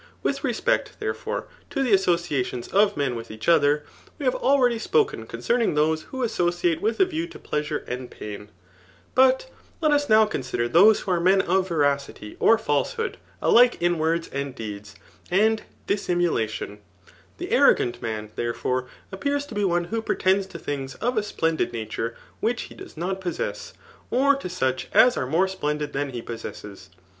With respect, therefor^^ to the associations o£ men with each QtW» we have already spokra omcem^ log those who ^i^sociate with a view to pleasure and paiQ« But let us now consider those who a]:e men of veradty^ Oft falsehood, alike in words and deeds, and dissimula^ Uqu* The arrogant man, therefore^ appears to be ojnf^ who preten<b to things of a splendid nature wjbeich hc^ dovss not possess^ or , to such as are more splendid tlu^ he possesses.